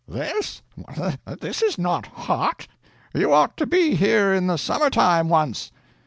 This is not hot. You ought to be here in the summer time once."